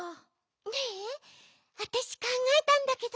ねえわたしかんがえたんだけど。